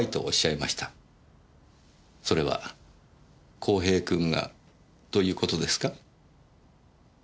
それは公平君がという事ですか？